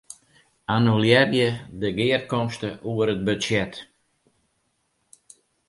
Annulearje de gearkomste oer it budzjet.